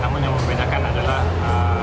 namun yang membedakan adalah